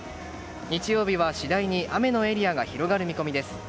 日曜日は、次第に雨のエリアが広がる見込みです。